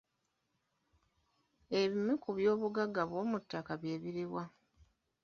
Ebimu ku byobugagga eby'omuttaka bye biri wa?